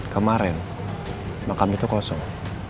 kemaren makam itu kosong